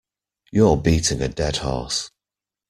You're beating a dead horse